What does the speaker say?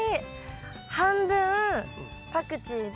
半分パクチーで。